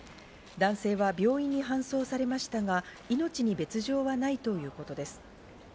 男性は病院に搬送されましたが、命に別条はないということです。